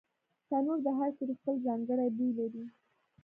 تنور د هر کلي خپل ځانګړی بوی لري